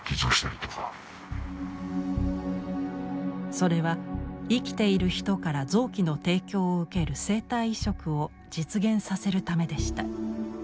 それは生きている人から臓器の提供を受ける生体移植を実現させるためでした。